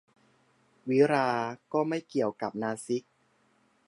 วิฬาร์ก็ไม่เกี่ยวกับนาสิก